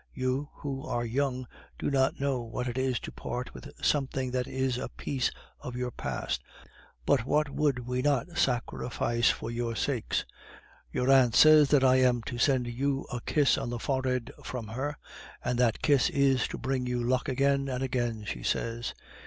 You, who are young, do not know what it is to part with something that is a piece of your past! But what would we not sacrifice for your sakes? Your aunt says that I am to send you a kiss on the forehead from her, and that kiss is to bring you luck again and again, she says.